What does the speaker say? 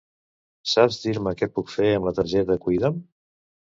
Saps dir-me què puc fer amb la targeta Cuida'm?